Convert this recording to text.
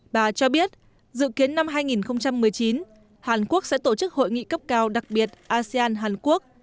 bà cho biết dự kiến năm hai nghìn một mươi chín hàn quốc sẽ tổ chức hội nghị cấp cao đặc biệt asean hàn quốc